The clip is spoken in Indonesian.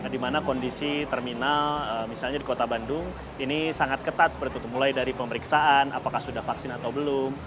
di mana kondisi terminal misalnya di kota bandung ini sangat ketat seperti itu mulai dari pemeriksaan apakah sudah vaksin atau belum